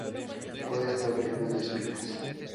Puede estar lleno de espinas.